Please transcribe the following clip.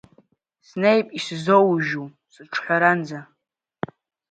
Снеип исзоужьу сыҿҳәаранӡа…